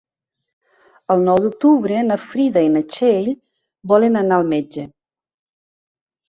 El nou d'octubre na Frida i na Txell volen anar al metge.